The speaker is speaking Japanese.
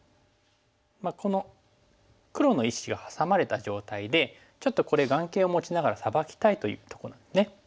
この黒の１子がハサまれた状態でちょっとこれ眼形を持ちながらサバきたいというとこなんですね。